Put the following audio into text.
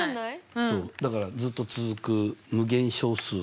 そうだからずっと続く無限小数っていう。